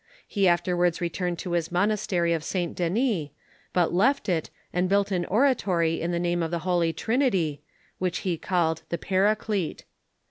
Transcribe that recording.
He afterwards returned to his mon astery of St. Denis, but left it, and built an oratory in the name of the Holy Trinity, which he called the Paraclete.